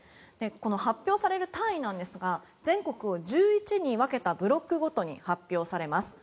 この発表される単位なんですが全国を１１に分けたブロックごとに発表されます。